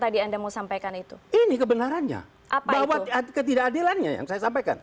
tadi anda mau sampaikan itu ini kebenarannya apa bahwa hati ketidakadilan yang saya sampaikan